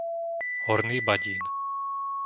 Horný Badín